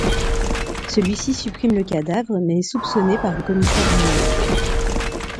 Celui-ci supprime le cadavre mais est soupçonné par le commissaire Rémy.